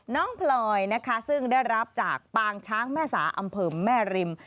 พลอยนะคะซึ่งได้รับจากปางช้างแม่สาอำเภอแม่ริม